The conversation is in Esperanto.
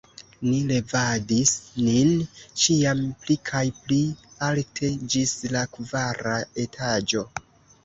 Ni levadis nin ĉiam pli kaj pli alte ĝis la kvara etaĝo.